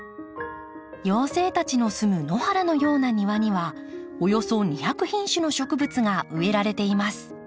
妖精たちのすむ野原のような庭にはおよそ２００品種の植物が植えられています。